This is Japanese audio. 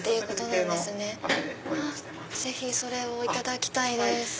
ぜひそれをいただきたいです。